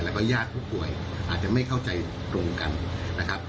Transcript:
แล้วก็ญาติผู้ป่วยอาจจะไม่เข้าใจตรงกันนะครับ